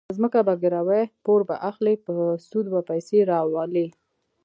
ځمکه به ګروي، پور به اخلي، په سود به پیسې راولي.